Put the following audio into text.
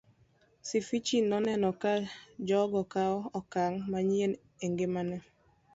Sifichi noneno ka jagogo kawo okang' manyien e ngimane.